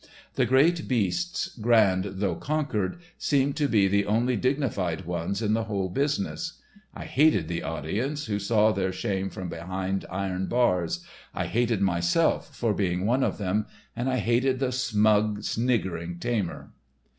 The great beasts, grand though conquered, seemed to be the only dignified ones in the whole business. I hated the audience who saw their shame from behind iron bars; I hated myself for being one of them; and I hated the smug, sniggering tamer.